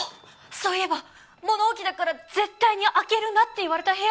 そういえば物置だから絶対に開けるなって言われた部屋がありました。